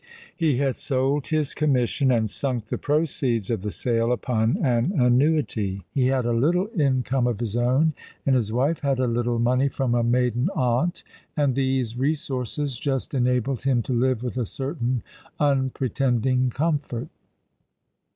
He had sold his commission and sunk the proceeds of the sale upon an annuity. He had a little income of his own, and his wife had a little money from a maiden aunt, and these resources just enabled him to live with a certain unpretending comfort.